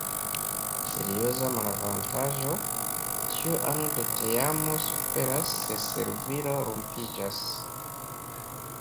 Serioza malavantaĝo: ĉiu ano de teamo suferas se servilo rompiĝas.